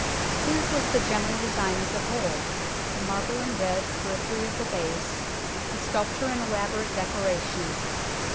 His was the general design of the whole, the marble and red periphery of the base, the sculpture and elaborate decoration.